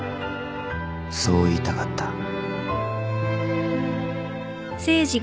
［そう言いたかった］